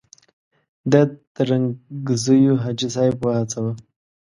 ده د ترنګزیو حاجي صاحب وهڅاوه.